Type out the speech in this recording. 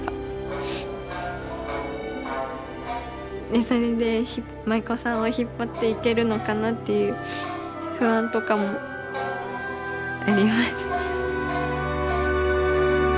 でそれで舞妓さんを引っ張っていけるのかなっていう不安とかもあります。